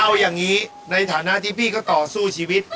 เอาอย่างนี้ในฐานะที่พี่ก็ต่อสู้ชีวิต